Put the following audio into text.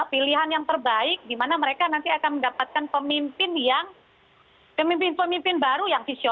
pilihan yang terbaik di mana mereka nanti akan mendapatkan pemimpin yang pemimpin pemimpin baru yang visioner